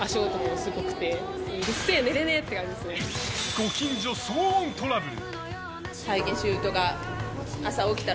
ご近所騒音トラブル。